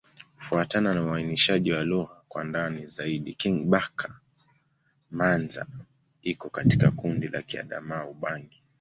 Kufuatana na uainishaji wa lugha kwa ndani zaidi, Kingbaka-Manza iko katika kundi la Kiadamawa-Ubangi.